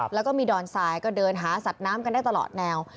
แล้วก็มีดอนทรายก็เดินหาสัตว์น้ำกันได้ตลอดแนว